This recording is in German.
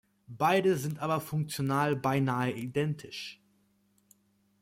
Beide sind aber funktional beinahe identisch.